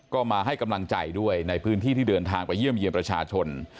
ก็มาให้กำลังใจด้วยในพื้นที่ที่เดินทางไปเยี่ยมเยี่ยมประชาชน